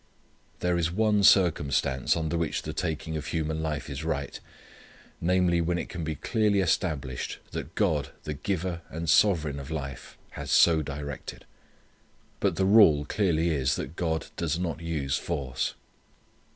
There is one circumstance under which the taking of human life is right, namely, when it can be clearly established that God the giver and sovereign of life has so directed. But the rule clearly is that God does not use force.